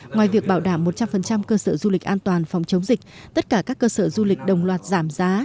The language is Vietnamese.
ngoài việc bảo đảm một trăm linh cơ sở du lịch an toàn phòng chống dịch tất cả các cơ sở du lịch đồng loạt giảm giá